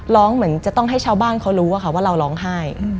เหมือนจะต้องให้ชาวบ้านเขารู้ว่าเราร้องไห้